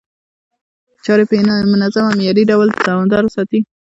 چاري په منظم او معياري ډول دوامداره ساتي،